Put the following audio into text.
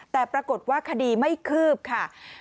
แต่ปรากฏว่าคดีไม่คืบค่ะ